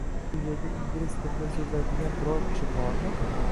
Bu yerda ingliz tilida so'zlaydigan biror kishi bormi?